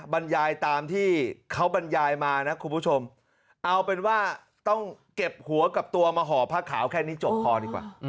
บรรยายตามที่เขาบรรยายมานะคุณผู้ชมเอาเป็นว่าต้องเก็บหัวกับตัวมาห่อผ้าขาวแค่นี้จบพอดีกว่า